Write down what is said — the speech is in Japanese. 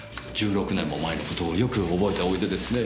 １６年も前の事をよく覚えておいでですね。